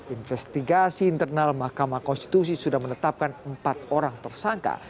investigasi internal mahkamah konstitusi sudah menetapkan empat orang tersangka